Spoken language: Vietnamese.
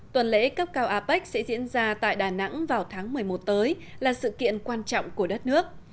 tuần lễ cấp cao apec sẽ diễn ra tại đà nẵng vào tháng một mươi một tới là sự kiện quan trọng của đất nước